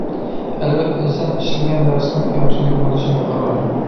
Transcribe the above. ئەلۋەتتە، ئىنسان ئىشلىگەن نەرسىنىڭ كەمچىلىكى بولۇشى مۇقەررەر.